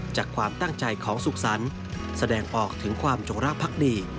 จากความตั้งใจของสุขสรรค์แสดงออกถึงความจงรักภักดี